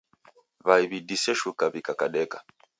W'ai w'idise shuka w'ikakadeka.